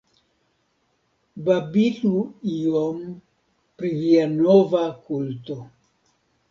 Babilu iom pri via nova kulto.